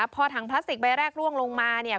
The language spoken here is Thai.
พอถังพลาสติกใบแรกล่วงลงมาเนี่ย